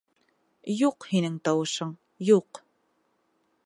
Юҡ һинең тауышың, юҡ.